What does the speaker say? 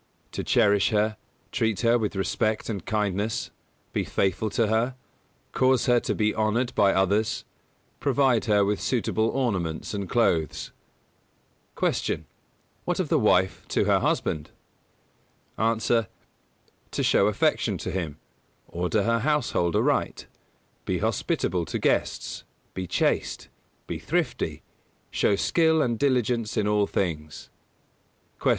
To cherish her; treat her with respect and kindness; be faithful to her; cause her to be honoured by others; provide her with suitable ornaments and clothes. 211. Q. What of the wife to her husband? A. To show affection to him; order her household aright; be hospitable to guests; be chaste; be thrifty; show skill and diligence in all things. 212. Q.